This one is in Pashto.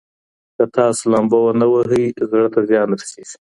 که تاسو لامبو ونه ووهئ، زړه ته زیان رسېږي.